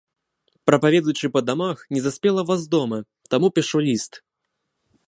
Прапаведуючы па дамах, не заспела вас дома, таму пішу ліст.